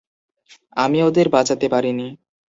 আমি ওদের বাঁচাতে পারিনি।